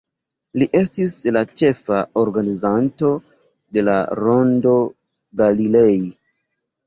Li estis la ĉefa organizanto de la Rondo Galilei.